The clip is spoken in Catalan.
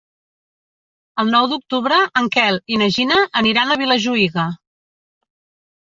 El nou d'octubre en Quel i na Gina aniran a Vilajuïga.